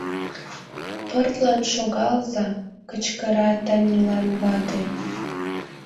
Пыртлан шогалза! — кычкыра Танилан вате.